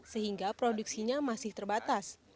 sehingga produksinya masih terbatas